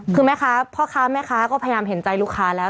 คือแม่ค้าพ่อค้าแม่ค้าก็พยายามเห็นใจลูกค้าแล้ว